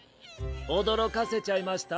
おどろかせちゃいました？